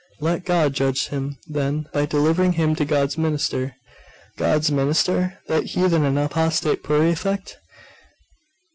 'Let God judge him, then, by delivering him to God's minister.' 'God's minister? That heathen and apostate Prefect?